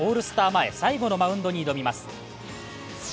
前、最後のマウンドに挑みます。